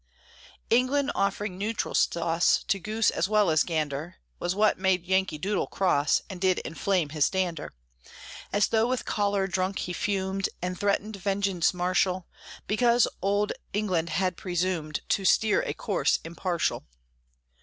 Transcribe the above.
England offering neutral sauce To goose as well as gander, Was what made Yankee Doodle cross, And did inflame his dander. As though with choler drunk he fumed, And threatened vengeance martial, Because Old England had presumed To steer a course impartial.